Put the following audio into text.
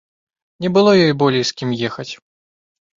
Не было ёй болей з кім ехаць.